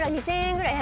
２０００円ぐらい？